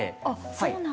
そうなんだ。